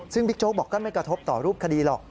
ซึ่งบิ๊กโจ๊กบอกก็ไม่กระทบต่อรูปคดีหรอก